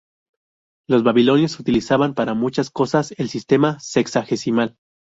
Los babilonios utilizaban para muchas cosas el sistema sexagesimal.